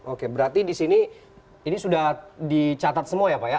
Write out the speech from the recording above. oke berarti di sini ini sudah dicatat semua ya pak ya